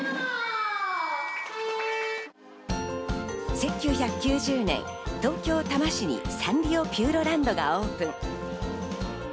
１９９０年、東京・多摩市にサンリオピューロランドがオープン。